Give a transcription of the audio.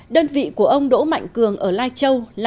đơn vị của ông đỗ mạnh cường ở lai châu làm chủ đầu tư dự án